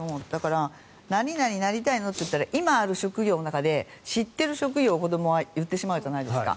何々になりたいの？って言ったら今ある職業で知っている職業を子どもは言ってしまうじゃないですか。